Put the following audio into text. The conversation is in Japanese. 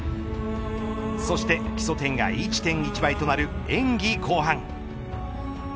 そして基礎点が１．１倍となる演技後半。